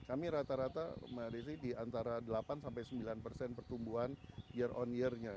kami rata rata di antara delapan sembilan persen pertumbuhan year on year nya